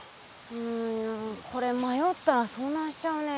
うんこれまよったらそうなんしちゃうね。